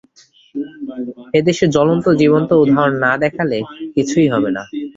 এদেশে জ্বলন্ত জীবন্ত উদাহরণ না দেখালে কিছুই হবে না।